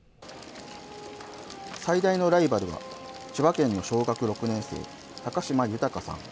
最大のライバルは、千葉県の小学６年生、高嶋優さん。